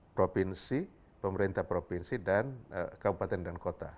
provinsi pemerintah provinsi dan kabupaten dan kota